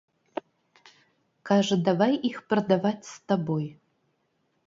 Кажа, давай іх прадаваць з табой.